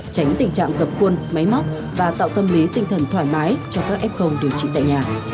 tránh tình trạng dập khuôn máy móc và tạo tâm lý tinh thần thoải mái cho các f điều trị tại nhà